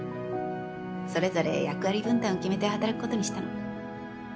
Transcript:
それぞれ役割分担を決めて働くことにしたの。